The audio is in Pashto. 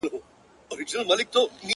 • زما د عمرونو په خمار کي به نشه لګېږې -